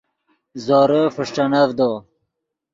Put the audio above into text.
زورے فݰٹینڤدو